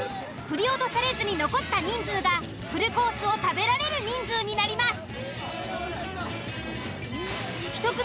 振り落とされずに残った人数がフルコースを食べられる人数になります！